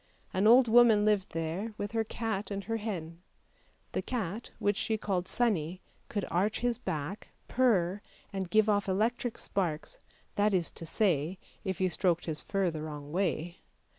An old woman lived there with her cat and her hen. The cat, which she called " Sonnie," could arch his back, purr, and give off electric sparks, that is to say if you stroked his fur the wrong way.